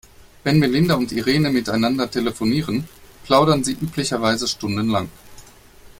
Wenn Melinda und Irene miteinander telefonieren, plaudern sie üblicherweise stundenlang.